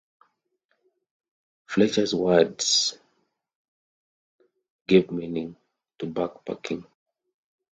Fletcher's words gave meaning to backpacking.